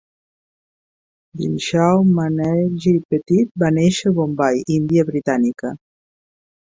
Dinshaw Maneckji Petit va néixer a Bombai, Índia Britànica.